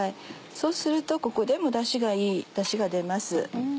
そうするとここでもいいダシが出ます。